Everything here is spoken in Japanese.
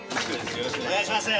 よろしくお願いします